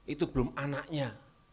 itu belum anaknya